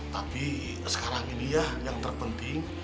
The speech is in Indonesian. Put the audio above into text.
tapi sekarang ini ya yang terpenting